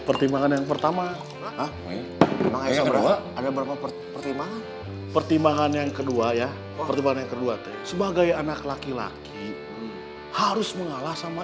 pertimbangan yang pertama pertimbangan yang kedua ya sebagai anak laki laki harus mengalah sama